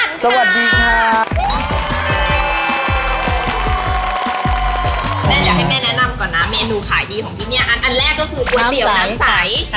แม่อยากให้แม่แนะนำก่อนนะเมนูขายีของพี่เนี่ยอันแรกก็คือก๋วยเตี๋ยวน้ำสาย